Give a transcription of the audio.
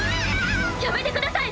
やめてください！